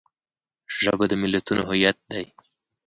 ژبه د ملتونو هویت دی